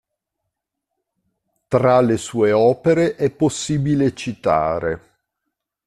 Tra le sue opere è possibile citare